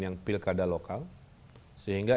yang pilkada lokal sehingga